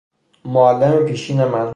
معلم پیشین من